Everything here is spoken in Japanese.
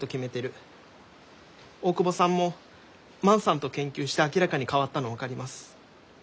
大窪さんも万さんと研究して明らかに変わったの分かります。